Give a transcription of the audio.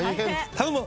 頼む。